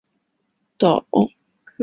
现时该码头有船前往蒲台岛。